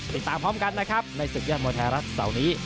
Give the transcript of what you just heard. ติดตามพร้อมกันนะครับในศึกยอดมวยไทยรัฐเสาร์นี้